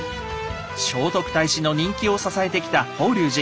聖徳太子の人気を支えてきた法隆寺。